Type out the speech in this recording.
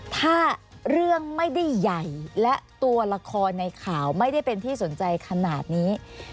ถ้าเรื่องไม่ได้ใหญ่และตัวละครในข่าวไม่ได้เป็นที่สนใจขนาดนี้